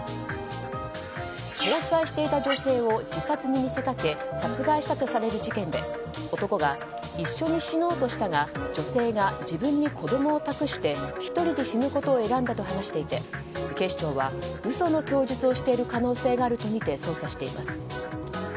交際していた女性を自殺に見せかけ殺害したとされる事件で男が一緒に死のうとしたが女性が自分に子供を託して１人で死ぬことを選んだと話していて警視庁は嘘の供述をしている可能性があるとみて捜査しています。